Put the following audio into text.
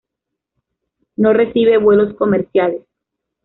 No recibe vuelos comerciales.